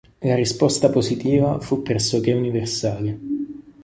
La risposta positiva fu pressoché universale.